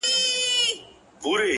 • د دې نوي کفن کښ ګډه غوغا وه,